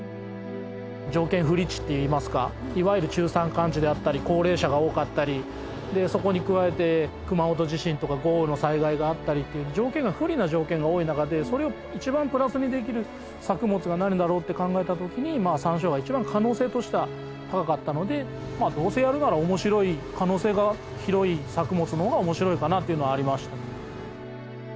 条件不利地っていいますかいわゆる中山間地であったり高齢者が多かったりそこに加えて熊本地震とか豪雨の災害があったりという条件が不利な条件が多いなかでそれを一番プラスにできる作物がなんだろうって考えたときにサンショウが一番可能性としては高かったのでどうせやるなら面白い可能性が広い作物のほうが面白いかなっていうのはありましたね。